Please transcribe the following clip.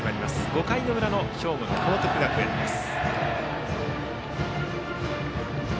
５回の裏の兵庫の報徳学園です。